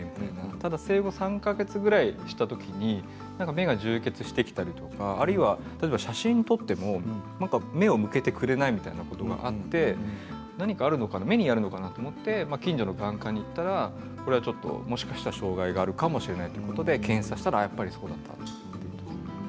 ただ生後３か月ぐらいしたときに目が充血してきたりとかあるいは写真を撮っても目を向けてくれないみたいなことがあって、何か目にあるのかなと思って近所の眼科に行ったらこれはちょっともしかしたら障害があるかもしれないということで検査したらやっぱりそうだったと。